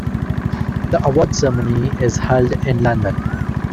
The award ceremony is held in London.